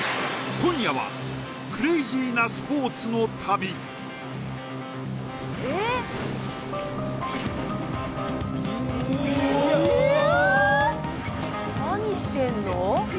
今夜はクレイジーなスポーツの旅うーわいやー！